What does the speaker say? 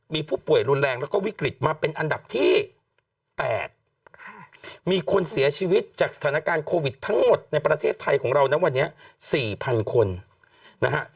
มีผู้ป่วยรุนแรงแล้วก็วิกฤตมาเป็นอันดับที่๘มีคนเสียชีวิตจากสถานการณ์โควิดทั้งหมดในประเทศไทยของเรานะวันนี้๔๐๐คนนะฮะ